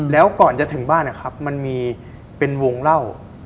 แล้วก่อนจะถึงบ้านนะครับมันมีเป็นวงเล่า